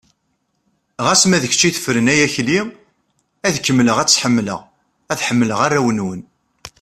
Ɣas ma d kečč i tefren ay Akli, ad kemmleɣ ad tt-ḥemmleɣ, ad ḥemmleɣ arraw-nwen.